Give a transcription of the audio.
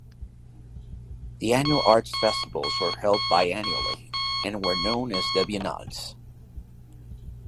The annual arts festivals were held biannually and were known as the Biennales.